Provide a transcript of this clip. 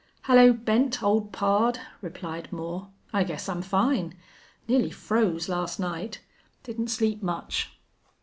"Hello, Bent, old pard!" replied Moore. "I guess I'm fine. Nearly froze last night. Didn't sleep much."